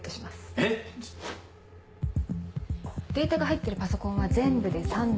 えっ⁉データが入ってるパソコンは全部で３台。